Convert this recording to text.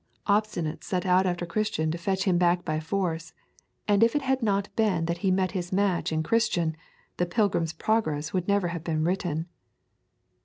Obstinate set out after Christian to fetch him back by force, and if it had not been that he met his match in Christian, The Pilgrim's Progress would never have been written.